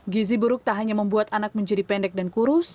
gizi buruk tak hanya membuat anak menjadi pendek dan kurus